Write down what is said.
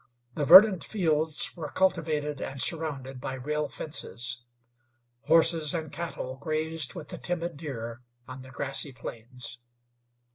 The verdant fields were cultivated and surrounded by rail fences. Horses and cattle grazed with the timid deer on the grassy plains.